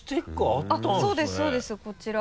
あっそうですそうですこちら。